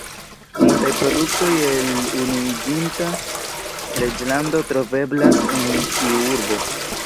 Multaj produktoj el Unuiĝinta Reĝlando troveblas en tiu urbo.